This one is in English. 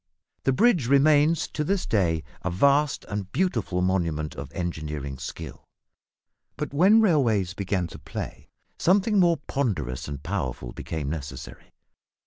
The bridge remains to this day a vast and beautiful monument of engineering skill. But when railways began to play, something more ponderous and powerful became necessary.